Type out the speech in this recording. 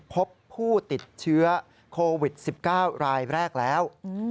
พบผู้ติดเชื้อโควิด๑๙รายแรกแล้ว